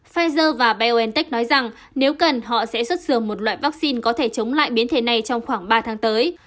pfizer và biontech nói rằng nếu cần họ sẽ xuất dường một loại vaccine có thể chống lại biến thể này trong khoảng ba tháng tới